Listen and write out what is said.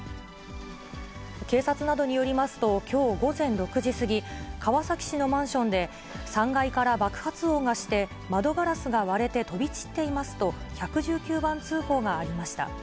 警察などによりますと、きょう午前６時過ぎ、川崎市のマンションで、３階から爆発音がして、窓ガラスが割れて飛び散っていますと、１１９番通報がありました。